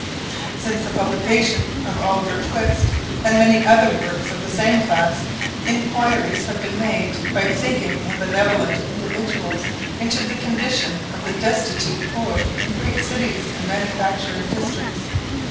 Since the publication of Oliver Twist, and many other works of the same class, inquiries have been made by thinking and benevolent individuals into the condition of the destitute poor in great cities and manufacturing districts.